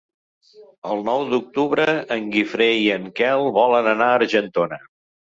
El nou d'octubre en Guifré i en Quel volen anar a Argentona.